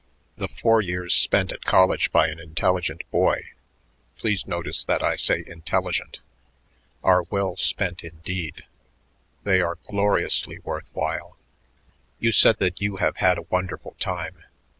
The four years spent at college by an intelligent boy please notice that I say intelligent are well spent indeed. They are gloriously worth while. You said that you have had a wonderful time.